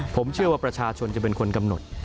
ผมเชื่อว่าประชาชนจะเป็นคนกำหนด